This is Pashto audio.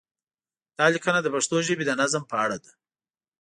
دا لیکنه د پښتو ژبې د نظم په اړه ده.